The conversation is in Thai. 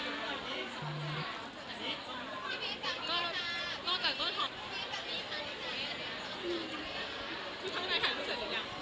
ล่ะมีบางคนแถมรู้ว่าอะไรอยู่